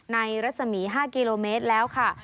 รัศมี๕กิโลเมตรแล้วค่ะ